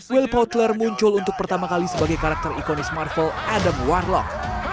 will potler muncul untuk pertama kali sebagai karakter ikonis marvel adam warlock